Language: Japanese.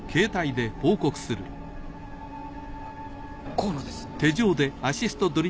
河野です。